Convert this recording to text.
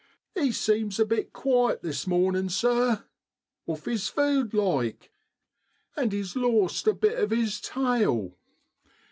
" 'E seems a bit quiet this morning, sir. Off his food like. And e's lost a bit of 'is tail."